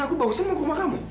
aku baru saja mau ke rumah kamu